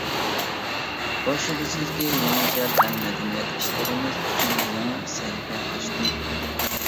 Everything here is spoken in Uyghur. بۇ شۈبھىسىزكى يېڭىچە پەن-مەدەنىيەت ئىشلىرىمىز ئۈچۈن يېڭى سەھىپە ئاچتى.